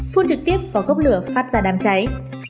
phun trực tiếp vào gốc lửa phát ra đám cháy